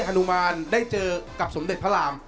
ฮนุมานได้เจอกับสมเด็จพระราม